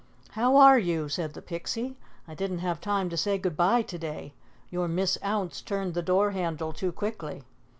"How are you?" said the Pixie. "I didn't have time to say good bye to day. Your Miss Ounce turned the door handle too quickly."